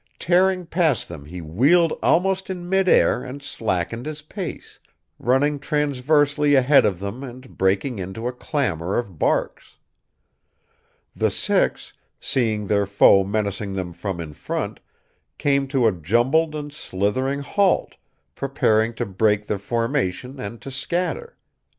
Tearing past them he wheeled almost in midair and slackened his pace, running transversely ahead of them and breaking into a clamor of barks. The six, seeing their foe menacing them from in front, came to a jumbled and slithering halt, preparing to break their formation and to scatter.